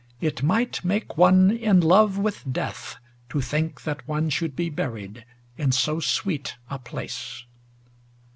It might make one in love with death to think that one should be buried in so sweet a place.